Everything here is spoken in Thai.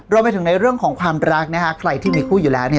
รวมไปถึงในเรื่องของความรักนะคะใครที่มีคู่อยู่แล้วเนี่ย